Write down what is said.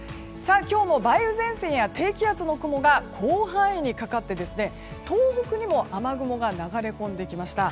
今日も梅雨前線や低気圧の雲が広範囲にかかって東北にも雨雲が流れ込んできました。